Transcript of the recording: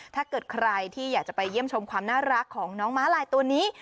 ถ้าเกิดใครที่อยากจะไปเยี่ยมชมความน่ารักของน้องม้าลายตัวนี้